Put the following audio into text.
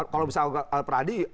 kalau bisa peradi